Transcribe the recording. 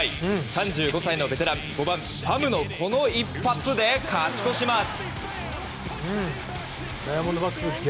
３５歳のベテラン５番、ファムのこの一発で勝ち越します。